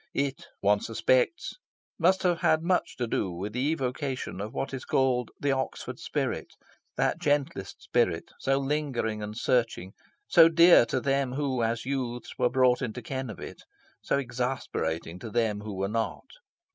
It, one suspects, must have had much to do with the evocation of what is called the Oxford spirit that gentlest spirit, so lingering and searching, so dear to them who as youths were brought into ken of it, so exasperating to them who were not.